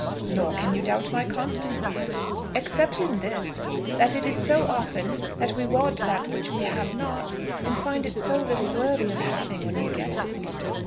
"Nor can you doubt my constancy." "Except in this, that it is so often that we want that which we have not, and find it so little worthy of having when we get it."